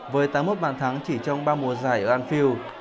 với tám mức bàn thắng chỉ trong ba mùa giải ở anfield